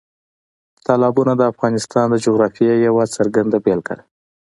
تالابونه د افغانستان د جغرافیې یوه څرګنده بېلګه ده.